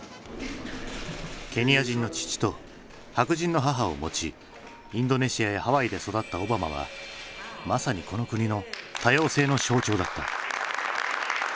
ケニア人の父と白人の母を持ちインドネシアやハワイで育ったオバマはまさにこの国の多様性の象徴だった。